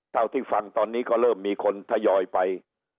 เท่าที่ฟังตอนนี้ก็เริ่มมีคนทยอยไป